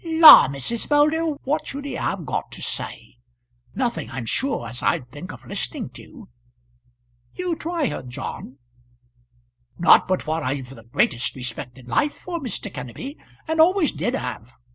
"La, Mrs. Moulder, what should he have got to say? Nothing I'm sure as I'd think of listening to." "You try her, John." "Not but what I've the greatest respect in life for Mr. Kenneby, and always did have.